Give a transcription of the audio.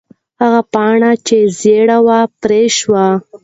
هغه پاڼه چې زړه وه، پرې شوه.